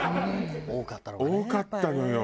多かったのかね。